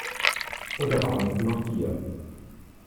Und da waren es nur noch vier.